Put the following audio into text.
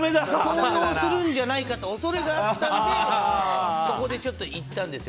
掃除をするんじゃないかという恐れがあったのでそこで言ったんですよ。